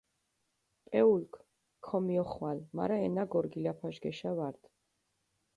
პეულქ ქომიოხვალჷ, მარა ენა გორგილაფაშ გეშა ვარდჷ.